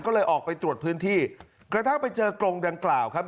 ก็เลยออกไปตรวจพื้นที่กระทั่งไปเจอกรงดังกล่าวครับ